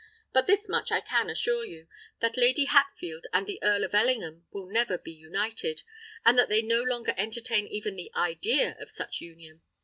But this much I can assure you—that Lady Hatfield and the Earl of Ellingham will never be united, and that they no longer entertain even the idea of such union.